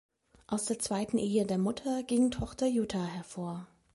Aus der zweiten Ehe der Mutter ging Tochter Jutta hervor.